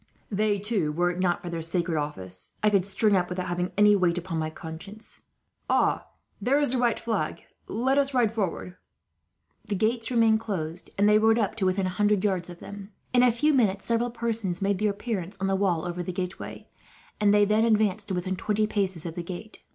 They, too, were it not for their sacred office, I could string up without having any weight upon my conscience. "Ah! There is the white flag. Let us ride forward." The gates remained closed, and they rode up to within a hundred yards of them. In a few minutes several persons made their appearance on the wall over the gateway, and they then advanced to within twenty paces of the gate.